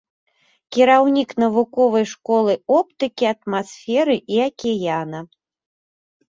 Кіраўнік навуковай школы оптыкі атмасферы і акіяна.